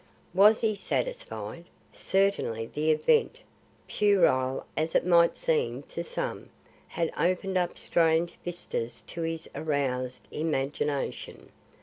Was he satisfied? Certainly the event, puerile as it might seem to some, had opened up strange vistas to his aroused imagination.